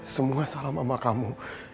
semua salah mama kamu